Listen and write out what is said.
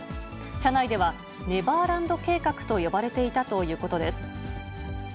社内では、ネバーランド計画と呼ばれていたということです。